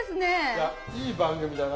いやいい番組だな。